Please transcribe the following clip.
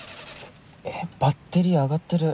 えっバッテリー上がってる。